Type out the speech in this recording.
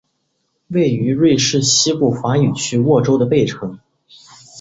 位于瑞士西部法语区沃州的贝城。